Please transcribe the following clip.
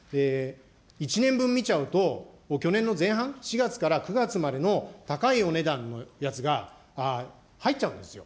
１年分見ちゃうと、去年の前半、４月から９月までの高いお値段のやつが入っちゃうんですよ。